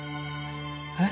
えっ？